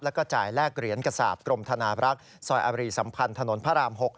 แล้วก็จ่ายแลกเหรียญกระสาปกรมธนาบรักษ์ซอยอารีสัมพันธ์ถนนพระราม๖